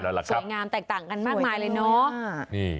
สวยงามแตกต่างกันมากมายเลยเนาะ